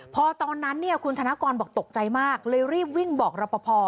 พอตอนนั้นเนี่ยคุณธนกรบอกตกใจมากเลยรีบวิ่งบอกรับประพอ